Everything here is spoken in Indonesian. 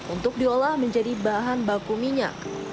untuk diolah menjadi bahan baku minyak